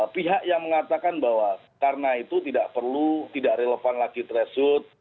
pihak yang mengatakan bahwa karena itu tidak perlu tidak relevan lagi threshold